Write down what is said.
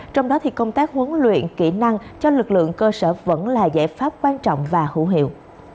trong đó thì công tác huấn luyện kỹ năng cho lực lượng cơ sở vẫn là giải pháp quan trọng và hữu hiệu